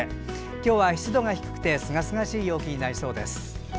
今日は湿度が低くてすがすがしい陽気になりそうです。